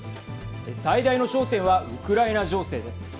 最大の焦点はウクライナ情勢です。